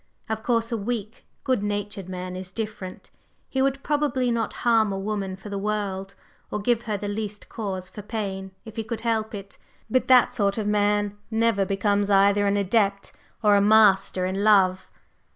Of course, a weak, good natured man is different; he would probably not harm a woman for the world, or give her the least cause for pain if he could help it, but that sort of man never becomes either an adept or a master in love.